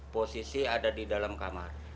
posisi ada di dalam kamar